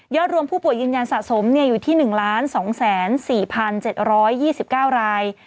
รวมผู้ป่วยยืนยันสะสมอยู่ที่๑๒๔๗๒๙ราย